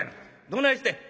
どないしてん？」。